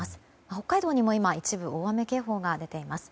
北海道にも今、一部で大雨警報が出ています。